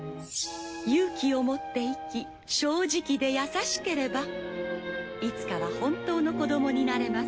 「勇気を持って生き正直で優しければいつかは本当の子供になれます」